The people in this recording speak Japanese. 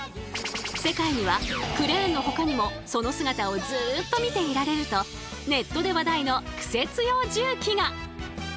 世界にはクレーンのほかにもその姿をずっと見ていられるとネットで話題のクセ強重機が！